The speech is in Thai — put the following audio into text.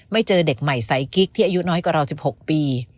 เจอเด็กใหม่สายกิ๊กที่อายุน้อยกว่าเรา๑๖ปี